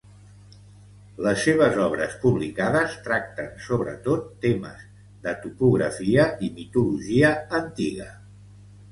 Les seves obres publicades tracten sobretot temes de topografia i mitologia antiga.